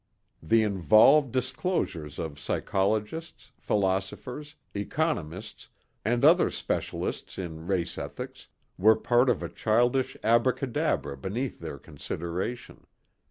The involved disclosures of psychologists, philosophers, economists and other specialists in race ethics were part of a childish abracadabra beneath their consideration.